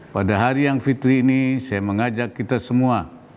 pada hari yang fitri ini saya mengajak kita semua